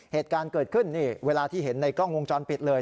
เหตุการณ์เกิดขึ้นนี่เวลาที่เห็นในกล้องวงจรปิดเลย